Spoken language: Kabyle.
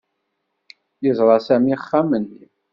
Yeẓra Sami axxam-nni.